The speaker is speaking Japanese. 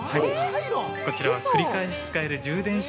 ◆こちらは繰り返し使える充電式